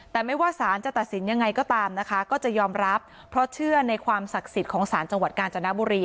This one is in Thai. แต่ไม่ว่าสารจะตัดสินยังไงก็ตามนะคะก็จะยอมรับเพราะเชื่อในความศักดิ์สิทธิ์ของศาลจังหวัดกาญจนบุรี